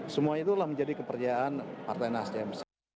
semua itulah menjadi kepercayaan partai nasdem